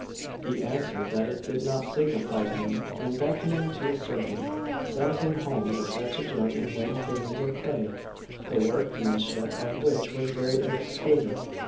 He answered that it did not signify to him; and beckoning to his servant, sent him home to fetch a jug in white Faenzo clay, the workmanship of which was very exquisite.